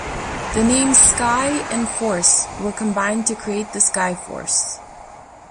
The names "Sky" and "Force" were combined to create the "Skyforce".